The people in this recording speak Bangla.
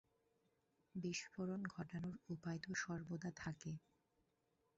বিস্ফোরন ঘটানোর উপায় তো সর্বদা থাকে।